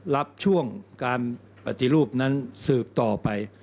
รับช่วงการปฏิรูปนั้นสืบต่อไป